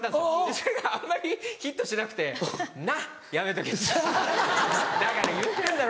それがあんまりヒットしなくて「なっやめとけってだから言ってんだろ」。